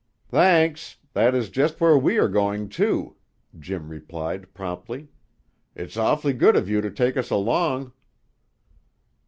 "Thanks. That is just where we are going, too," Jim replied promptly. "It's awfully good of you to take us along."